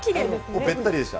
もうべったりでした。